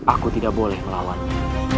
aku tidak boleh melawannya